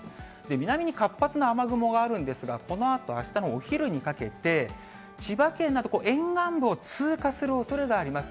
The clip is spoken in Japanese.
南に活発な雨雲があるんですが、このあとあしたのお昼にかけて、千葉県など沿岸部を通過するおそれがあります。